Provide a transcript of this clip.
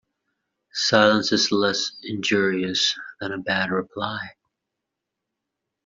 Silence is less injurious than a bad reply.